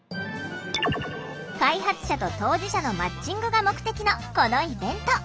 開発者と当事者のマッチングが目的のこのイベント。